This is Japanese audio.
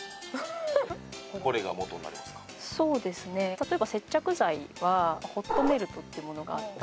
例えば接着剤はホットメルトってものがあったり